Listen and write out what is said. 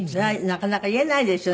なかなか言えないですよね